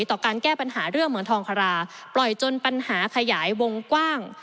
ต่อการแก้ปัญหาเรื่องเหมือนทองคาราปล่อยจนปัญหาขยายวงกว้าง